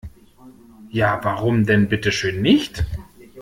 Ja, warum denn bitteschön nicht?